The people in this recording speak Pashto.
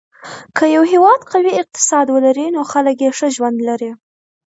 که یو هېواد قوي اقتصاد ولري، نو خلک یې ښه ژوند لري.